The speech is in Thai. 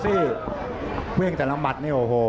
สบายสบายสบายสบายสบายสบายสบายสบายสบายสบายสบายสบายสบาย